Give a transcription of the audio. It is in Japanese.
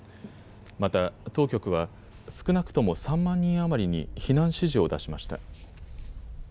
また当局は少なくとも３万人余りに避難指示を出しました。